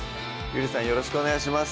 よろしくお願いします